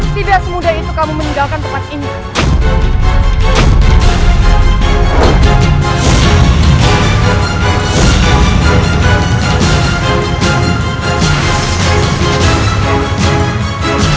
tidak semudah itu kamu meninggalkan tempat ini